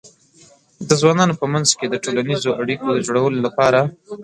د ځوانانو په منځ کې د ټولنیزو اړیکو د جوړولو لپاره